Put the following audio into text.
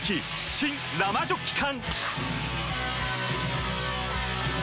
新・生ジョッキ缶！